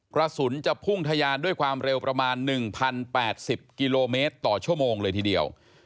กระสุนจะพุ่งทะยานด้วยความเร็วประมาณ๑๐๘๐กิโลเมตรต่อชั่วโมงเลยทีเดียว